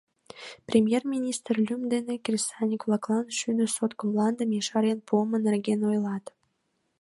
«Премьер-министр лӱм дене кресаньык-влаклан шӱдӧ сотко мландым ешарен пуымо нерген ойлат».